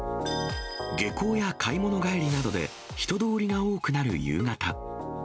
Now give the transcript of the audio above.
下校や買い物帰りなどで人通りが多くなる夕方。